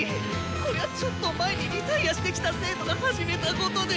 これはちょっと前にリタイアしてきた生徒が始めたことで。